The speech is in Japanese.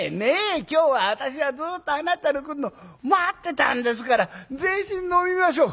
今日は私はずっとあなたの来んの待ってたんですからぜひ飲みましょう！」。